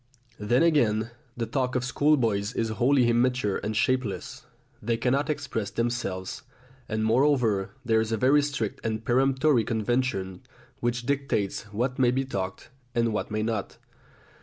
Then again the talk of schoolboys is wholly immature and shapeless. They cannot express themselves, and moreover there is a very strict and peremptory convention which dictates what may be talked about and what may not.